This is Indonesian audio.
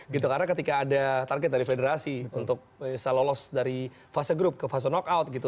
karena ketika ada target dari federasi untuk bisa lolos dari fase grup ke fase knockout gitu